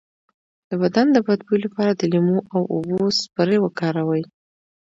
د بدن د بد بوی لپاره د لیمو او اوبو سپری وکاروئ